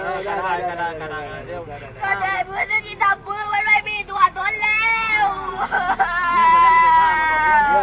เพื่อให้เมื่อกี้นทำกองเขาไม่มีตัวละเอ่อ